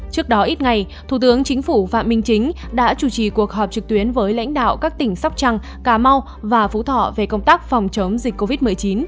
trước đó ít ngày thủ tướng chính phủ phạm minh chính đã chủ trì cuộc họp trực tuyến với lãnh đạo các tỉnh sóc trăng cà mau và phú thọ về công tác phòng chống dịch covid một mươi chín